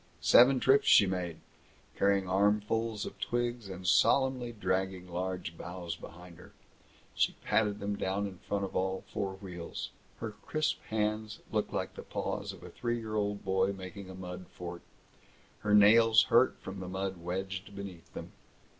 Seven trips she made, carrying armfuls of twigs and solemnly dragging large boughs behind her. She patted them down in front of all four wheels. Her crisp hands looked like the paws of a three year old boy making a mud fort. Her nails hurt from the mud wedged beneath them.